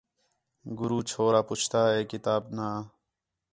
گُرو چھورا پُچھتا ہِے کتاب نا